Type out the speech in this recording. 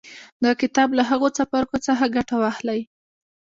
د کتاب له هغو څپرکو څخه ګټه واخلئ